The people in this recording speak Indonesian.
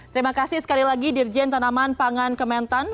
terima kasih sekali lagi dirjen tanaman pangan kementan